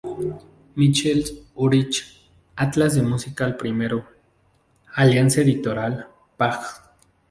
Michels, Ulrich, "Atlas de música, I", Alianza Editorial, págs.